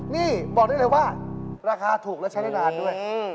นี่บอกได้เลยว่าราคาถูกและใช้ได้นานด้วย